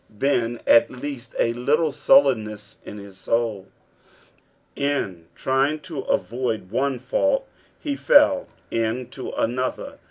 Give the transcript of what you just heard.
239 b«en at least a little BuUenness in his eouI. In trying to aToid one fault, he fell into another.